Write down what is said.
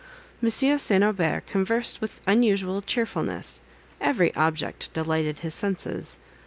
Monsieur St. Aubert conversed with unusual cheerfulness; every object delighted his senses.